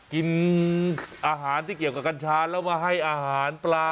กินอาหารที่เกี่ยวกับกัญชาแล้วมาให้อาหารปลา